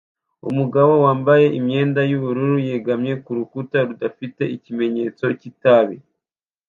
Umugabo wambaye imyenda yubururu yegamiye kurukuta rudafite ikimenyetso cyitabi